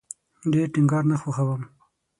ډیر ټینګار نه خوښوم